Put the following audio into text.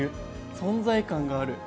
存在感がある。